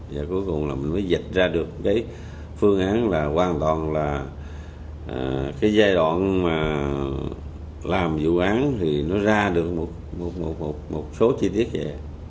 và cuối cùng là mình mới dịch ra được cái phương án là hoàn toàn là cái giai đoạn mà làm vụ án thì nó ra được một số chi tiết về